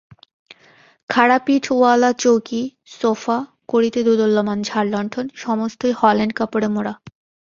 খাড়া-পিঠ-ওআলা চৌকি, সোফা, কড়িতে দোদুল্যমান ঝাড়লণ্ঠন, সমস্তই হল্যান্ড-কাপড়ে মোড়া।